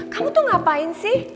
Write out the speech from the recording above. kamu tuh ngapain sih